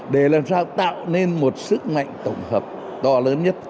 để làm sao tạo nên một sức mạnh tổng hợp to lớn nhất